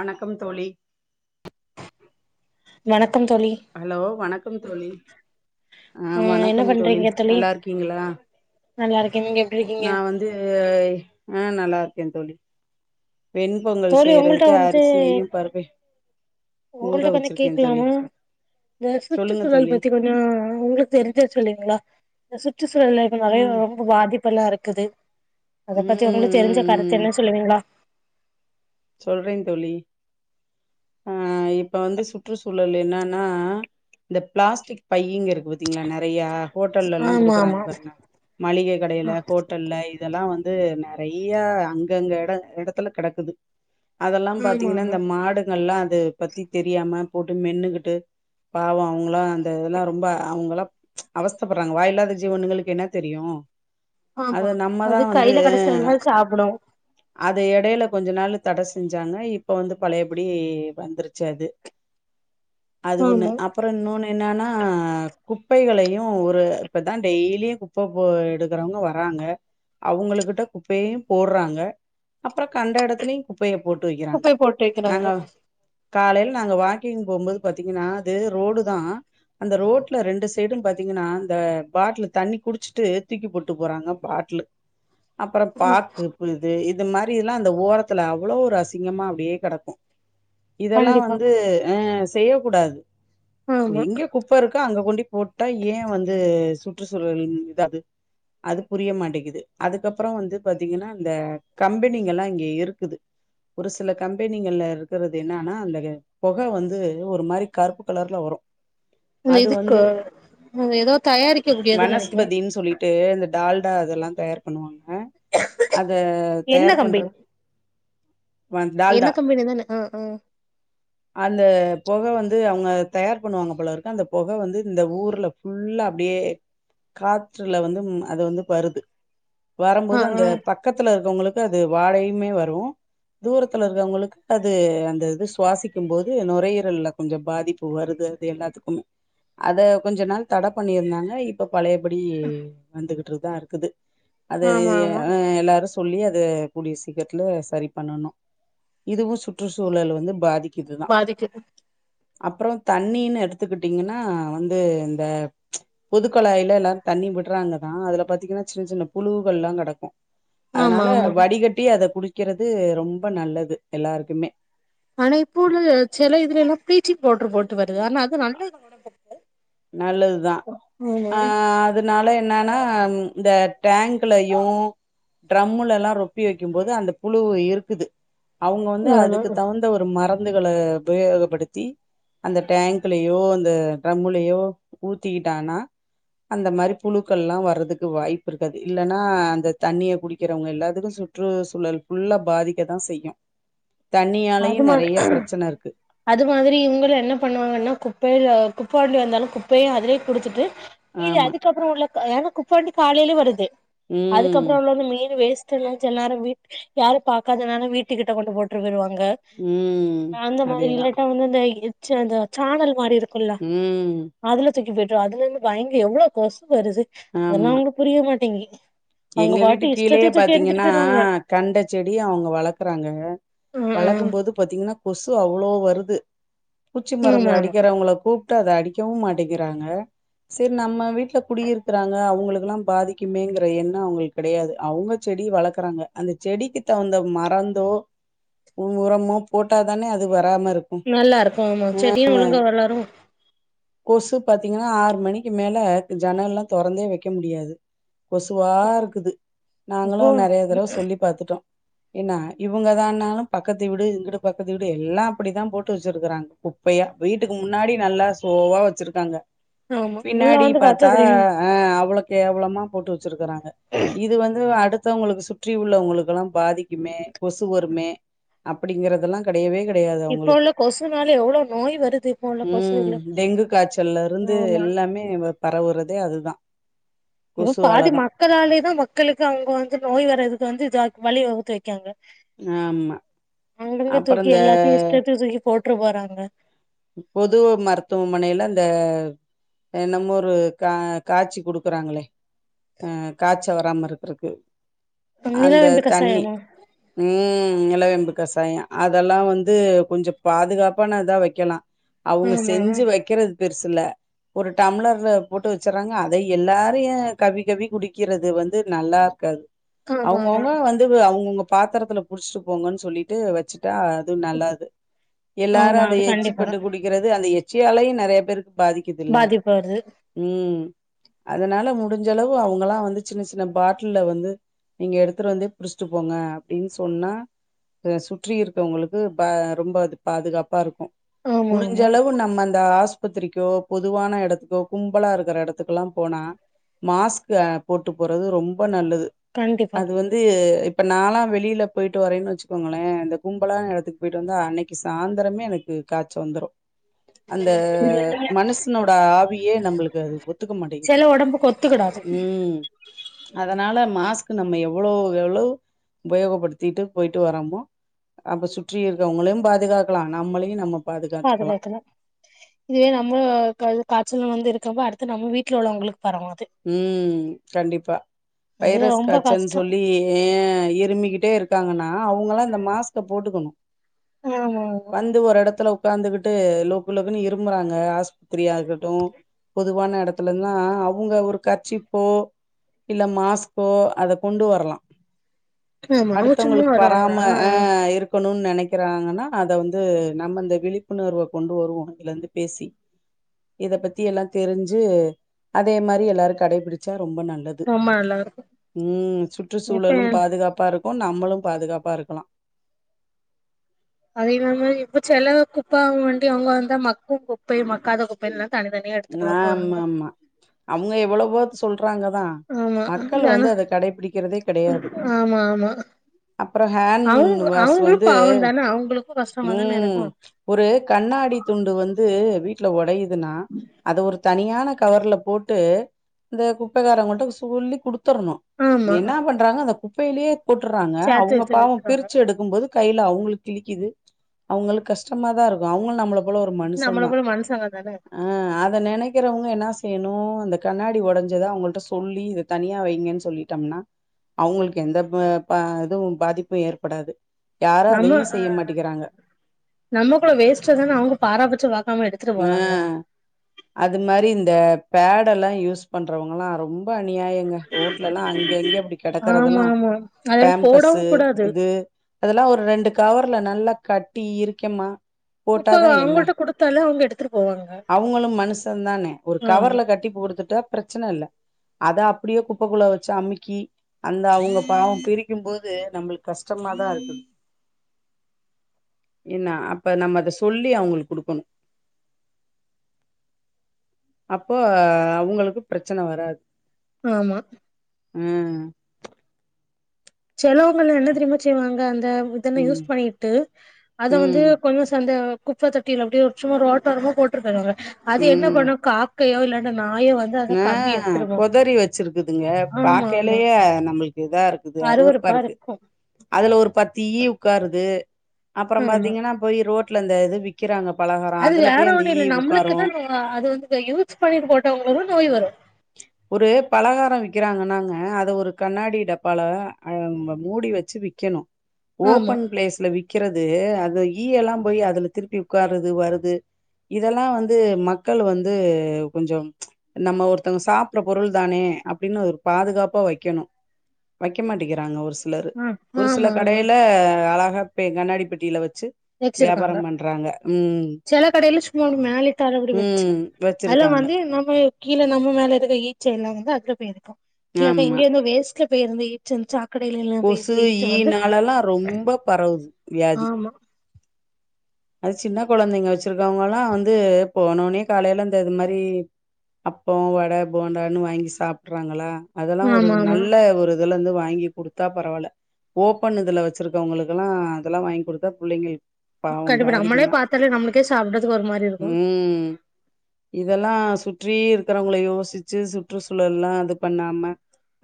வணக்கம் தோழி வணக்கம் தோழி ஹலோ வணக்கம் தோழி அ ம் என்ன வணக்கம் தோழி பண்றீங்க நல்லா இருக்கீங்களா நல்லா இருக்க நீங்க எப் நா வந்து அ நல்லா இருக்க தோழி வெண் பொங்கல் தோழி உங்கள்ட்ட செய்யறதுக்கு அரிசியையு பருப்பையு ஊற ஒங்கள்ட்ட கொஞ்சம் வச்சிருக்கே தோழி கேக்கலாமா இந்த சொல்லுங்க சுற்றுச்சூழல் தோழி பத்தி கொஞ் அ உங்களுக்கு தெரிஞ்சா சொல்வீங்ளா சுற்றுச்சூழல்ல இப்ப ஆ நெறைய ம் வரும் பாதிப்பெல்லா இருக்குது அத பத்தி ம் உங்களுக்குத் தெரிஞ்ச கருத்து ம் என்ன சொல்லுவீங்களா சொல்றே தோழி அ இப்ப வந்து சுற்றுச்சூழல் என்னான்னா இந்த பிளாஸ்டிக் பைங்க இருக்கு பா த்திங்ளா நறையா ஹோட்டல்லல்லா ஆமா குடுக்கறாங்க ஆமா பாருங்க மளிக கடையில ஹோ ட்டல்ல இதெல்லா வந்து நறைய அங்கங்க எட எடத்துல கெடக்குது அதல்லா ஆமா பாத்தீங்ன்னா ஆமா இந்த மாடு நல்லா அத பத்தி தெரியாம போட்டு மென்னுகிட்டு பாவோ அவங்ளா அந்த இதெல்லா ரொம்ப அவங்கல்லா அவஸ்தப்படுறாங்க வாயில்லாத ஜீவனுங்களுக்கு என்ன தெரியோ ஆமா அத நம்மதா அது வந்து கையில கெடைச்சதுனால சாப்டு அது எடையில கொஞ்ச நாளு தட செஞ்சாங்க இப்ப வந்து பழையப்படி வந்துருச்சு அது அது ஒண்ணு ஆமா அப் அப்றோ இன்னொன்னு என்னன்னா குப்பைகளையு ஒரு இப்போ தா டெய்லியு குப் குப்ப போ எடுக்கறவங்க வராங்க அவங்களுக்கிட்ட குப்பையையு போட்றாங்க அப்றோ கண்ட எடத்துலயு குப்பைய போட்டு வைக்கிறாங்க குப்பைய போட்டு வைக்கிறாங்க நாங்க காலையில நாங்க வாக்கிங் போம்போது பாத்தீங்கன்னா அதே ரோடு தா அந்த ரோட்ல ரெண்டு சைடு பாத்தீங்கன்னா அந்த பாட்லு தண்ணி குடிச்சிட்டு தூக்கி போட்டு போறாங்க பாட்லு அப்பறோ பாக்கு துப்புறது இது மாரில்லா அந்த ஓரத்துல அவ்ளோ ஒரு அசிங்கமா அப்டியே கெடக்கோ இதெல்லா கண்டிப்பா வந்து அ செய்யக்கூடாது ஆமா எங்க குப்ப இருக்கோ அங்க கொண்டி போட்டா ஏ வந்து சுற்றுச்சூழல் இதாது அது புரிய மாட்டேக்கிது அதுக்கப்றோ வந்து பாத்தீங்கன்னா இந்த கம்பெனிங்கல்லா இங்க இருக் குது ஒரு சில கம்பெனிங்கள்ள இருக்கறது என்னான்னா அந்த பொக வந்து ஒரு மாரி கருப்பு கலர்ல வரோ எதுக்காம் நீங்க ஏதோ தயாரிக்க கூடியதுன்னு நெனைக்கிற ட்டு இந்த டால்டா அதெல்லாம் தயார் பண்ணுவாங்க அத தயார் பண்ற வ என்னா டால்டா கம்பெனி தானே ஆ ஆ அந்த பொக வந்து அவங்க தயார் பண்ணுவாங்க போல இருக்கும் அந்த பொக வந்து இந்த ஊர்ல ஃபுல்லா அப்டியே காற்றுல வந்து அது வந்து வருது ஆ வரம்போது அந்த ஆ பக்கத்துல இருக்கவுங்களுக்கு அது வாடையுமே வரு தூரத்துல இருக்கவுங்களுக்கு அது அந்த இது சுவாசிக்க க்கும் போது நுரையீரல்ல கொஞ்சோ பாதிப்பு வருது அது எல்லாத்துக்குமே அத கொஞ்ச நாள் தட பண்ணிருந்தாங்க இப் இப்ப பழையபடி வந்துகிட்டு தா இருக்குது அது ஆமா ஆமா எல்லாரு சொல்லி அத கூடிய சீக்கிரத்துல சரி பண்ணணு இதுவு சுற்றுச்சூழல் வந்து பாதிக் இதுதா பாதிக்குது அப்புறோ தண்ணீன்னு எடுத்துக்கிட்டீங்கன்னா வந்து இந்த பொதுக்கொழாயில எல்லாரு தண்ணி விட்றாங்கதா அதுல பாத்திங்கன்னா சின்ன சின்ன புழுகள்ல்லா கடக்கூ ஆமா அதனால ஆமா வடிகட்டி அத குடிக்கிறது ரொம்ப நல்லது எல்லாருக்குமே ஆனா இப்ப உள்ள சில இதுல எல்லாம் பிளீச்சிங் பவுட்ரு போட்டு வருது ஆனா அது நல்லது [inaudible] நல்லதுதா ஆமா ஆ அதனால என்னன்னா இந்த டேங்க்லயு ட்ரம்முலல்லா ரொப்பி வைக்கும் போது அந்த புழு இருக்குது அவுங்க வந்து ஆமா அதுக்கு தகுந் த ஒரு மரந்துகள உபயோகப்படுத்தி அந்த டேங்க்லயோ அந்த ட்ரம் டயோ ஊத்திகிட்டானா அந்த மாரி புழுக்கள் எல்லா வர்றதுக்கு வாய்ப்பு இருக்காது இல்லன்னா அந்த தண்ணிய குடிக்கிறவுங்க எல்லாத்துக்கூ சுற்றுச்சூழல் ஃபுல்லா பாதிக்க தா செய்யு தண்ணியாலயு அது மா நறையா பிரச்சன இருக்கு அது மாதிரி இவுங்களு என்ன பண்ணுவாங்கன்னா குப்பைய குப்ப வண்டி வந்தாலு குப்பய‌ அதுலயே குடுத்துட்டு மீதி ஆமா அதுக்கப்புறொ உள்ள ஏன்னா குப்பவண்டி காலையிலே வருது ம் அதுக்கப்புறொ உள்ள வந்து மீன் வேஸ்ட் செல நேரொ யாரு பாக்காதனாலு வீட்டு கிட்ட கொண்டு போட்டு போய்ருவாங்க ம் அந்த மாதிரி அதேதா இல்லாட்டா அந்த அந்த சாணல் மாரி இருக்கு ம் அதுல தூக்கி போட்டு அதுல இருந்து பயங்க எவ்ளோ கொசு வருது அதெல்லா ஆமா அவுங்களுக்கு புரிய மாட்டேங்கி அவங்க எங்க வீட்டு பாட்டு கீழயே இஷ்டத்த தூக்கி எறிஞ்சிட்டு பாத்தீங்கன்னா போயிருவாங்க கண்ட செடி அவுங்க வளக்குறாங்க ம் ம் வளக்கும் போது பார்த்தீங்கன்னா கொசு அவ்வளோ வருது பூச்சி மருந்து ஆமா ஆமா அடிக்கிறவங்கள கூப் ட்டு அத அடிக்கவு மாட்டேங்கிறாங்க செரி நம்ம வீட்ல குடியிருக்கிறாங்க அவுங்களுக்கெல்லா பாதிக்குமேங்கற என்ன னோ அவுங்களுக்கு கெடையாது அவுங்க செடி வளக்குறாங்க அந்த செடிக்கு தகுந்த மறந்தோ உரமோ போட்டா தானே அது வராம இருக்கூ நல்லாருக்கூ ஆமா செடியு ஒழுங்கா வளரு கொசு பாத்தீங்கன்னா ஆறு மணிக்கு மேல ஜன்னல்லா தொறந்தே வெக்க முடியாது கொசுவா இருக்குது நாங்களு இப்போ நறைய தடவ சொல்லி பாத்துட்டோ என்னா இவுங்கதான்னாலு பக்கத்து வீடு இங்கட்டு பக்கத்து வீடு எல்லா அப்படித்தா போட்டு வச்சிருக்காங்க ப்பையா வீட்டுக்கு முன்னாடி நல்லா சோவா வச்சிருக்காங்க ஆமா உள்ள பின்னாடி வந்து பாத்தா தெரியு அ அவ்ளோ கேவளமா போட்டு வச்சிருக்கறாங்க இது வந்து அடுத் தவுங்களுக்கு சுற்றி உள்ளவங்களுக்கெல்லா பாதிக்குமே கொசு வருமே அப்டிங்கறதல்லா கடையவே கடையாது இப்போ உள்ள கொசுனால எவ்ளோ நோய் வருது இப்ப உள்ள ம் கொசுல டெங்கு காச்சல்லருந்து ஆமா எல்லாமே பரவுறதே அதுதா இப்ப பாதி கொசுவாலதா மக்களாலேயே தா மக்களுக்கு அவுங்க வந்து நோய் வர்றதுக்கு வந்து வழி வகுத்து க்காங்க ஆமா அங்கங்க அப்புற தூக்கி இந்த எல்லாத்தையு இஷ்டத்துக்கு தூக்கி போட்டு போறாங்க பொது மருத்துவமனையில அந்த என்னமோ ஒரு கா காச்சி குடுக்குறாங்களே அ காய்ச்ச வராம இருக்கரக்கு நில வேம்பு கசாயமா ம் நிலவேம்பு கசாயம் அதெல்லா வந்து கொஞ்ச பாதுகாப்பான இதா வெக்கலா அவுங்க ஆமா செஞ்சு வெக்கறது பெருசுல்ல ஒரு டம்ளர்ல போட்டு வெச்சறாங்க அத எல்லாரையு கவ்வி கவ்வி குடிக்கிறது வந்து நல்லாருக்காது ஆமா ஆமா அவங்கவுங்க வந்து அவங்கவுங்க பாத்திரத்துல புடிச்சுட்டு போங்கன்னு சொல்லிட்டு வெச்சுட்டா நல்லாது எல்லாரு ஆமா அத அது கண்டிப்பாதா எச்சிப்பட்டு குடிக்க கிறது அந்த எச்சியாலையு நெறைய பேருக்கு பாதிக்குதுல்ல பாதிப்பு வருது ம் அதனால முடிஞ்சளவு அவங்கலா வந்து சின்ன சின்ன பாட்டில்ல வந்து நீங்க எடுத்ட்டு வந்து புடிச்சட்டு போங்க அப்டின்னு சொன்னா அ சுற்றி இருக்கவங்ளுக்கு பா ரொம்ப அது பாதுகாப்பா இருக்கு ஆமா ஆமா முடிஞ்சளவு நம்ம அந்த ஆஸ் பத்திரிக்கோ பொதுவான இடத்துக்கோ கும்பலா இருக்கற இடத்துக்கல்லா போனா மாஸ்க் அ போட்டு போறது ரொம்ப நல்லது கண்டிப்பா அது வந்து இப்ப நாலா வெளி வெளில போயிட்டு வரேன்னு வெச்சுக்கோங்களே இந்த கும்பலா இடத்துக்கு போயிட்டு வந்து அன்னைக்கு சாயந்தரமே எனக்கு காச்ச வந்துடு அந்த மனசனோட ஆவியே நம்ளுக்கு அது ஒத்துக்க மாட்டிங்குது ஒத்துக்கடாது அதனால மாஸ்க்கு நம்ம எவ்ளோவ் எவ்ளோவ் உபயோகப்படுத்திட்டு போயிட்டு வரமோ அப்ப சுற்றி இருக்கவங்களையு பாதுகாக்கலா நம்மளையு நம்ம பாதுகாத்துக்கலா பாதுகாக்கலா இதுவே நம்ம காய்ச்சல வந்து இருக்கப்போ அடுத்து நம்ம வீட்ல உள்ளவங்ளுக்கு பரவு அது ம் கண்டிப்பா அது வைரஸ் ரொம்ப காய்ச்சன்னு கஷ்டோ சொல்லி ஏ இருமிக்கிட்டே இருக்காங்கன்னா அவங்களா இந்த மாஸ்க்க போட்டுக்கணு ஆமா ஆமா வந்து ஒரு இடத்துல உட்காந்துகிட்டு லோக்கு லோக்குன்னு இரும்புறாங்க ஆஸ் பத்திரியா இருக்கட்டு பொதுவான எடத்துலனா அவுங்க ஒரு கர்ச்சிப்போ இல்ல மாஸ்க்கோ அத கொண்டு வரலா ஆமா அவங்க சும்மா அடுத்தவங்ளுக்கு வராம வருவாங்களா ஆஹ இருக் இருக்கணுனு நெனைக்கிறாங்கனா அத வந்து நம்மந்த விழிப்புணர்வ கொண்டு வருவோ இதுல இருந்து பேசி இத பத்தி எல்லா தெரிஞ்சு அதே மாரி எல்லாரு கடைபிடிச்சா ரொம்ப நல்லது ரொம்ப நல்லா இருக்கு ம் இப்ப சுற்றுச்சூழலு பாதுகாப்பா இருக்கு நம்மளு பாதுகாப்பா இருக்கலா அதேதாங்க இப்ப செல குப்ப வண்டி அவங்க வந்தா மக்கும் குப்பை மக்காத குப்பைல்லா தனித்தனி ஆம்மாமா அவுங்க எவ்ளவோ சொல்றாங்க தா ஆமா மக்கள் வந்து ஆனா அத கடைபிடிக்கிறதே கெடையாது ஆமா ஆமா அப்றோ ஹேன் அவங்க வாஸ் அவங்களு வந்து பாவந்தான அவங்களுக்கு கஷ்டமா தான ம் இருக்கு ஒரு கண்ணாடி துண்டு வந்து வீட்ல உடையுதுனா அத ஒரு தனியான கவர்ல போட்டு இந்த குப்பைக்காரங்கிட்ட சொல்லி குடுத்தரணு ஆமா என்ன பண்றாங்க அந்த குப்பைலே போட்டுறாங்க சேத்து அவங்க வச்சு பாவம் வித்துறாங்க பிரிச்சு எடுத் க்கும் போது கைல அவங்ளுக்கு கிழிக்குது அவங்ளுக்கு கஷ்டமா தா இருக்கு அவங்களு நம்மள போல ஒரு நம்மள மனுஷந்தா போல மனுசங்க தான ஆ அத நெனைக்கிறவங்க என்னா செய்ணு அந்த கண்ணாடி உடஞ்சத அவங்கள்ட சொல்லி இதை தனியா வைங்கன்னு சொல்லி தம்னா அவங்ளுக்கு எந்த எதுவு பாதிப்பு ஏற்படாது யாரு நம்ம அதையு ஆ செய்ய மாட்டேங்கிறாங்க நம்ம கூட வேஸ்ட் தானே அவங்க பாராபட்சம் பாக்காம எடு ஆ அது மாரி இந்த பேட் எல்லா யூஸ் பண்றவங்கல்லா ரொம் ரொம்ப அநியாயங்க ரோட்ல எல்லா அங்க இங்க அப்டி ஆமா கெடக்கறதெல்லா ஆமா அது போடவு பேம்பஸு கூடாது இது அதெலா ஒரு ரெண்டு கவர்ல நல்லா கட்டி இருக்கேம்மா குப்ப அவுங்கள்ட்ட குடுத்தாலே அவுங்க எடுத்துட்டு போவாங்க அவுங்களு மனுசந்தானே ஒரு ஆமா கவர்ல கட்டி குடுத்துட்டா பிரச்சன இல்ல அத அப்டியே குப்பக்குள்ள வச்சு அமுக்கி அந்த அவுங்க பாவோ பிரிக்குபோது நம்ளுக்கு கஷ்டமாதா இருக்கு இன்னா அப்போ நம்ம அத சொல்லி அவுங்ளுக்கு குடுக்கனூ அப்போ அவுங்களுக்கு பிரச்சன வராது ஆமா அ செலவுங்க என்ன தெரிமா செய்வாங்க அந்த இதன ம் யூஸ் பன்னிட்டு அத வந்து ம் கொஞ்சொ சந்த குப்ப தொட்டில அப்டே ஒரு சும்மா ரோட்டோரமா போட்ருபாங்க அவுங்க அது என்ன ம் பண்ணு காக் கையோ இல்லாட்டா நாயே வந் ஆ கொதறி வச்சிருக்குதுங்க ஆமா ஆமா பாக்கலயே நம்ளுக்கு இதா இருக் து அருவருப்பா இருக்கு அதுல ஒரு பத்து ஈ உக்காருது அப்றோ ஆமா பாத்தீங்கனா போயி ரோட்ல இந்த இது விக் விக்கிறாங்க பலகாரொ அதுல போய் அந்த ஈ உக்காரூ ஆ அது வந்து யூஸ் பன்னிட்டு போட்டவங்களுக்கூ நோய் வரு ஒரு பலகாரொ விக்கிறாங்கன்னாங்க அத ஒரு கண்ணாடி டப்பால அ மூடி வச் சு விக்கனூ ஆமா ஓபன் பிளேஸ்ல விக் கறது அது ஈயல்லா போய் அதுல திருப்பி உக்காறுது வருது இதெல்லா வந்து மக்கள் வந்து கொஞ்சொ நம்ம ஒரு த்தவங்க சாப்ற பொருள் தானே அப்டின்னு ஒரு பாதுகாப்பா வக்கனு வக்கே மாட்டிக்கிறாங்க ஒரு சி சிலரு ஆ ஒரு சில ஆமா ஆமா கடைல அழகா பெ கண்ணாடி பெட்டில வச்சு வச்சிருக்காங்க வியாபாரம் பண்றாங்க ம் செல கடைல சும்மா ஒரு மேலே தரபடி வச்சு ம் அல்லொ வச்சிருக்காங்க வந்து நம்மோ கீழே நம்ம மேல இருக்கற ஈச்ச எல்லா வந்து அதுல போயிருக்கு இல்லாட்டா ஆமா. இங்க இருந்து வேஸ்ட்ல போயிருந்த ஈச்ச சாப் கொசு ஈ நாளல்லா ரொம்ப பரவுது வியாதி ஆமா அது சின்ன கொழந்தைங்க வச்சிருக்கவங்கல்லா வந்து போனோனே காலைல இந்த இது மாரி அப்பொ வட போண்டானு வாங்கி சாப்டறாங்களா அதெலா ஒரு ஆமா ஆமா நல்ல ஒரு இதுலருந்து வாங்கி குடுத்தா பரவால ஓபன் இதுல வச்சிருக்கவங்களுக்கெல்லா அதெலா வாங்கி குடுத்தா புள்ளைங்களுக் கண்டிப்பா நம்மளே பாத்தாலே நம்ளுக்கே சாப்டறதுக்கு ஒரு மாரி இருக்கு ம் இதெலா சுற்றி இருக்கறவங்கள யோசிச்சு சுற்றுச்சூழல்லா இது பண்ணாம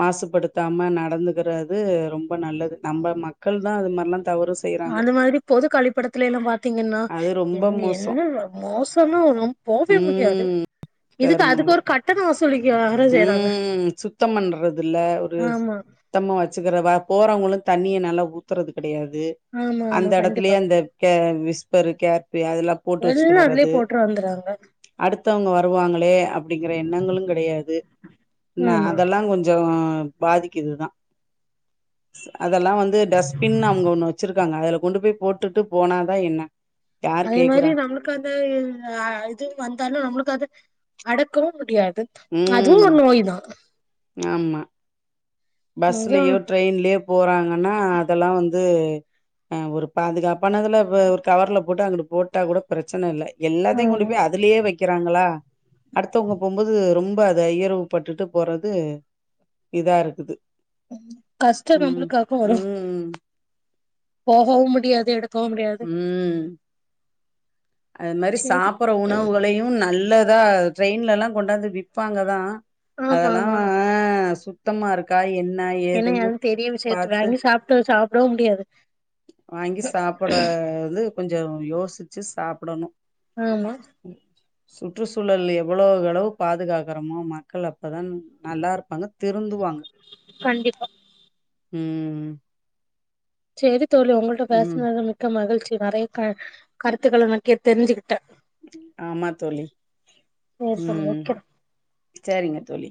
மாசுபடுத்தாம நடந்துகர்து ரொம்ப நல்லது நம்ம மக்கள் தா அது மாரிலா தவறு செய்றாங்க. அந்த மாரி பொது கழிப்பட த்துலல்லா பாத்தீங்கனா அது ரொம்ப எங்க மோசோ என்ன மோசமா போவே முடியாது ம் இதுக்கு அதுக்கு கருமாவு ஒரு கட்டணொ வசு சுலிக்கிறாரு ம் சுத்தபண்றதுல ஒரு ஆமா சுத்தமா வச்சுக்கிற வ போறவங்களு தண்ணிய நல்லா ஊத்துறது கெடையாது ஆமா அந்த ஆமா எடத்துலே கண்டிப்பா அந்த கே விஸ்பரு கேர்பி அதெலா எல்லா அதுலே போட்ரு வந்துரு வாங்க அடுத்த வங்க வருவாங்களே அப்டிங்கற இந்த எண்ணங்களு கெடையாது என்னா ஆமா. அதலா கொஞ் கொஞ்சே பாதிக்குது தா அத எல்லா வந்து டஸ்ட்பின் அவுங்க ஒன்னு வச்சிருக்காங்க அதுல கொண்டு போயி போட்டுட்டு போனாதா என்னா அதே மாறி நம்மளுக்கு அந்த இது இது வந்தாலு நம்மளுக்கு அத அடக்கவு முடியாது அதுவும் ம் ஒரு நோய் தான். ஆமா பஸ்லியோ அதான் ட்ரெயின்லியோ போறாங்கன்னா அத எல்லா வந்து ஆ ஒரு பாதுகாப்பானதுல ஒரு கவர்ல போட்டு அங்கட்டு போட்டா கூட பிரச்சனா இல்ல எல்லாத்தையு கொண்டு ஆமா போயி அதுலேயே வைக் குறாங்களா அடுத்தவங்க போகு போது ரொம்ப அத ஈரவு பட்டுட்டு போறது இதா இருக்குது கஷ்டம் நம்மளுக்காகவு வரும் ம்ம் போகவு முடியாது எடுக்கவு முடியாது ம். அது மாறி சரி சாப்புற உணவுகளையு நல்லதா ட்ரெயின்ல எல்லா கொண்டாந்து விப்பாங்கதா அதா ஆமா எல்லா ஆமா. சுத்தமா இருக்கா என்ன ஏதுன்னு பாத்து சாப்பிட்டு சாப்பிடவு முடியாது வாங்கி சாப்பிடா வது கொஞ்சே யோசிச்சி சாப்பிடணு ஆமா போயிருச்சு சுற்றுச்சூழல் எவ்ளேவு அளவு பாதுகாக்குறமோ மக்கள் அப்தா நல்லா இருப்பாங்க திருந்து வாங்க கண்டிப்பா ம் ம் ம் சேரி தோழி உங்களிட்ட ம் பேசினதா மிக்க மகிழ்ச்சி நெறய கா கருத்துக்களை முக்கியா தெரிஞ்சுக்கிட்டே ஆமா தோழி சரி தோழி ம் வைக்கிறேன். சேரிங்க தோழி